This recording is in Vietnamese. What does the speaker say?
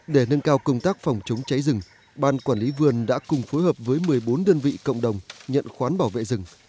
để nâng cao công tác phòng chống cháy rừng ban quản lý vườn đã cùng phối hợp với một mươi bốn đơn vị cộng đồng nhận khoán bảo vệ rừng